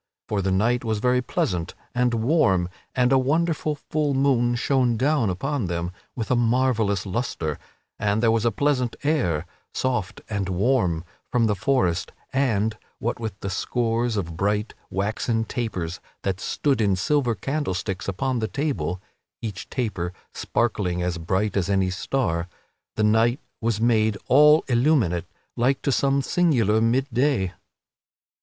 For the night was very pleasant and warm and a wonderful full moon shone down upon them with a marvellous lustre, and there was a pleasant air, soft and warm, from the forest, and, what with the scores of bright waxen tapers that stood in silver candlesticks upon the table (each taper sparkling as bright as any star), the night was made all illuminate like to some singular mid day.